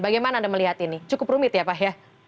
bagaimana anda melihat ini cukup rumit ya pak ya